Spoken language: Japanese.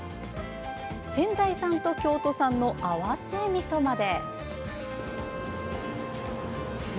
仙台産と京都産の合わせみそまで。